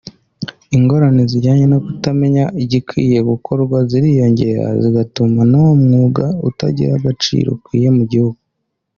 ingorane zijyanye no kutamenya igikwiye gukorwa ziriyongera zigatuma n’uwo mwuga utagira agaciro ukwiye mu gihugu